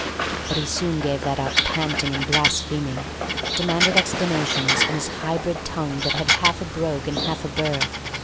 But he soon gave that up, panting and blaspheming, demanded explanations in his hybrid tongue that had half a brogue and half a burr.